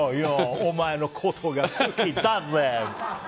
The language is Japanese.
お前のことが好きだぜ！